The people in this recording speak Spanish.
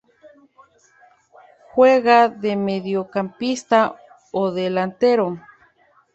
Juega de mediocampista o delantero.